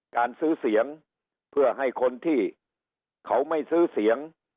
การซื้อเสียงเพื่อให้คนที่เขาไม่ซื้อเสียง